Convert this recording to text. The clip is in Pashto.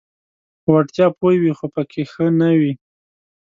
په وړتیا پوه وي خو پکې ښه نه وي: